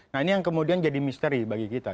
nah ini yang kemudian jadi misteri bagi kita